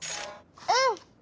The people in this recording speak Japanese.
うん！